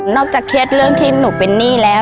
นอกจากเครียดเรื่องที่หนูเป็นนี่แล้ว